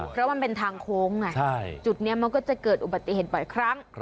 เพราะมันเป็นทางโค้งไงจุดนี้มันก็จะเกิดอุบัติเหตุบ่อยครั้ง